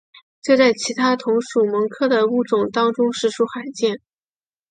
这在其他同属蠓科的物种当中实属罕见。